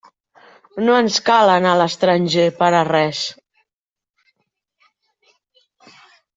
No ens cal anar a l'estranger per a res.